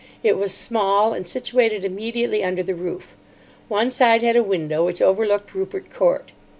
It was small, and situated immediately under the roof. One side had a window which overlooked Rupert Court.